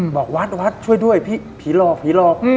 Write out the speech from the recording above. บอกวัดวัดช่วยด้วยพี่ผีหลอกผีหลอก